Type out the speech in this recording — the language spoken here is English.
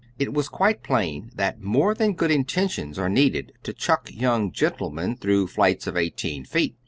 It was quite plain that more than good intentions are needed to chuck young gentlemen through flights of eighteen feet.